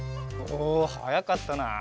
おおはやかったな。